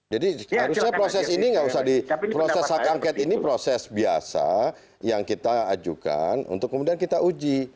jadi harusnya proses ini tidak usah di proses hak angket ini proses biasa yang kita ajukan untuk kemudian kita uji